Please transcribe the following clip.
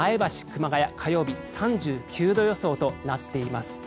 熊谷火曜日３９度予想となっています。